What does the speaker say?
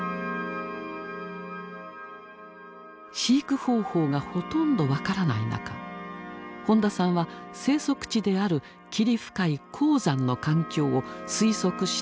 飼育方法がほとんど分からない中本田さんは生息地である霧深い高山の環境を推測してつくり上げた。